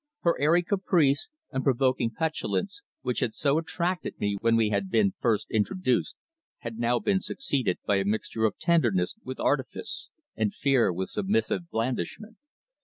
Her airy caprice and provoking petulance, which had so attracted me when we had been first introduced, had been now succeeded by a mixture of tenderness with artifice, and fear with submissive blandishment.